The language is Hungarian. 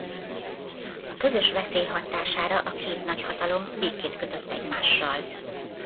A közös veszély hatására a két nagyhatalom békét kötött egymással.